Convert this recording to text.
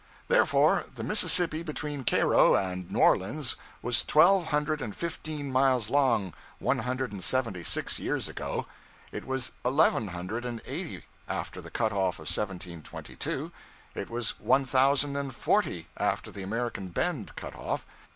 Therefore, the Mississippi between Cairo and New Orleans was twelve hundred and fifteen miles long one hundred and seventy six years ago. It was eleven hundred and eighty after the cut off of 1722. It was one thousand and forty after the American Bend cut off.